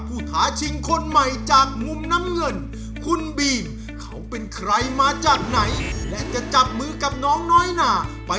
สวัสดีครับสวัสดีครับสวัสดีครับน้อยนา